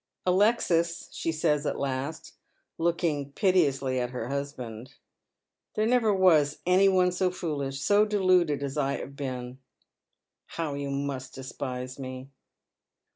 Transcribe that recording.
"Alexis," she says at last, looking piteously at her husband, " there never was any one so foolish, so deluded, as I have been. How you must despise me